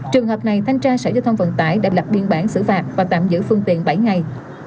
trường hợp này thanh tra sở giao thông vận tải đã lập biên bản xử phạt và tạm giữ phương tiện bảy ngày